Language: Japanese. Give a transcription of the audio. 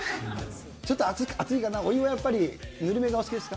ちょっと熱いかな、お湯はやっぱりぬるめがお好きですか？